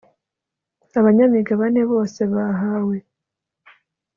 abanyamigabane bose bahawe